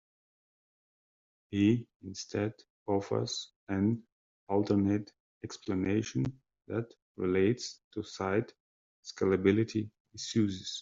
He instead offers an alternate explanation that relates to site scalability issues.